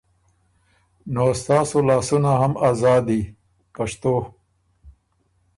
نو ستاسو لاسونه هم ازاد دی